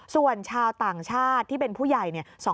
ส่วนชาวต่างชาติที่เป็นผู้ใหญ่เนี่ย